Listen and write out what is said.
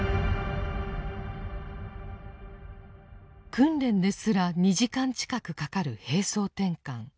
訓練ですら２時間近くかかる兵装転換。